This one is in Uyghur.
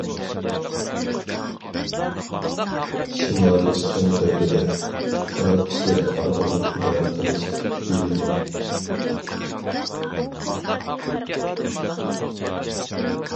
شىمالىي سۇڭ دەۋرىدە‹‹ خەلق ئىشلىرى ئارقىلىق ئىدارە قىلىش›› دېيىلگەن.